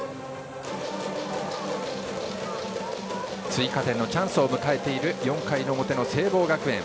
追加点のチャンスを迎えている４回の表の聖望学園。